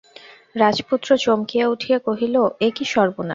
রাজপুত্র চমকিয়া উঠিয়া কহিল, এ কী সর্বনাশ!